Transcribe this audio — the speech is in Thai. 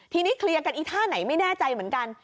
ทีนี้เคลียร์กันอีท่าไหนไม่แน่ใจเหมือนกัน